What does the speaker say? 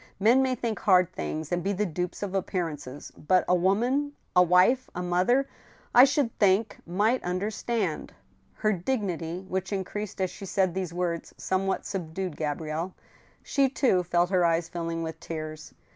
Men may think bard things, and be the dupes of appearances ; but a woman, >.. a wife, ... a mother, I should think, might understand —" Her dignity, which increased as she said these words, somewhat subdued Gabrielle. She, too, felt her eyes filling with tears.